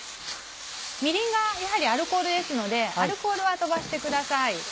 みりんはやはりアルコールですのでアルコールは飛ばしてください。